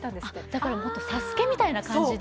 だから「ＳＡＳＵＫＥ」みたいな感じで。